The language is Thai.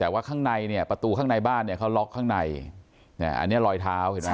แต่ว่าข้างในเนี่ยประตูข้างในบ้านเนี่ยเขาล็อกข้างในอันนี้รอยเท้าเห็นไหม